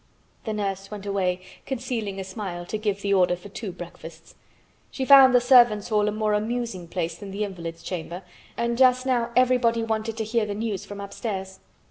The nurse went away, concealing a smile, to give the order for two breakfasts. She found the servants' hall a more amusing place than the invalid's chamber and just now everybody wanted to hear the news from upstairs.